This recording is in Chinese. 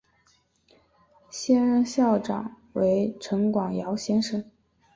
现任校长为陈广尧先生。